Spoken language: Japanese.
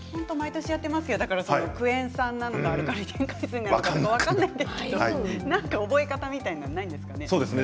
毎年やっていますがクエン酸なのかアルカリなのか分からないんですけれども覚え方はないんですかね。